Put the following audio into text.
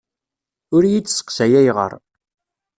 Ur iyi-d-sseqsay ayɣer.